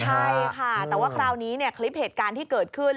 ใช่ค่ะแต่ว่าคราวนี้คลิปเหตุการณ์ที่เกิดขึ้น